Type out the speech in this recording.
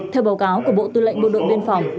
theo báo cáo của bộ tư lệnh bộ đội biên phòng